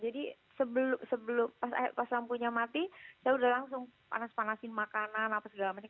jadi sebelum sebelum pas lampunya mati saya udah langsung panas panasin makanan apa segala macem